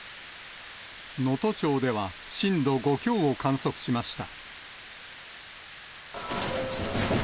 能登町では震度５強を観測しました。